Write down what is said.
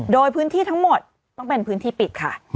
โดยพื้นที่ทั้งหมดต้องเป็นพื้นที่ปิดค่ะ